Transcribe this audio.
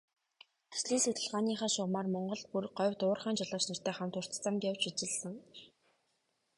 Төслийн судалгааныхаа шугамаар Монголд, бүр говьд уурхайн жолооч нартай хамт урт замд явж ажилласан.